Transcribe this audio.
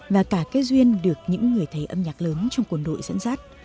và cả kết duyên được những người thầy âm nhạc lớn trong quân đội dẫn dắt